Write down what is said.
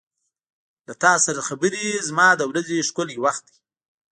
• له تا سره خبرې زما د ورځې ښکلی وخت دی.